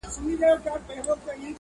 د بدخشانيانو، هراتيانو، اندرابيانو